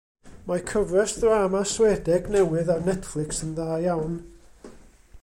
Mae cyfres ddrama Swedeg newydd ar Netflix yn dda iawn.